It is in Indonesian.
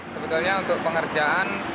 sebetulnya untuk pengerjaan